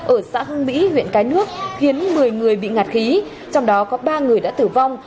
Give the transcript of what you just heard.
ở xã hưng mỹ huyện cái nước khiến một mươi người bị ngạt khí trong đó có ba người đã tử vong